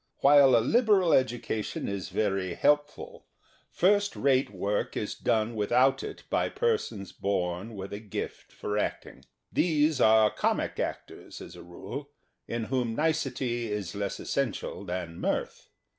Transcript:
While a liberal education is very helpful, first 150 The Theatre and Its People rate work is done without it by persons born with a gift for acting. These are comic actors, as a rule, in whom nicety is less essential than mirth.